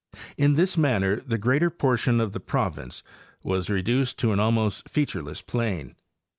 In this manner the greater. portion of the province was reduced to an almost featureless plain.